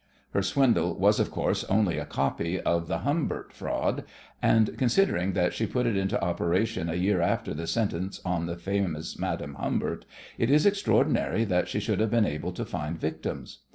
Her swindle was, of course, only a copy of the Humbert fraud, and, considering that she put it into operation a year after the sentence on the famous Madame Humbert, it is extraordinary that she should have been able to find victims.